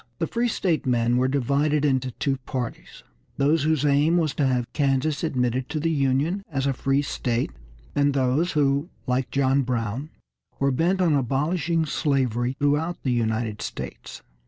The free state men were divided into two parties, those whose aim was to have Kansas admitted to the Union as a free state, and those who, like John Brown, were bent on abolishing slavery throughout the United States.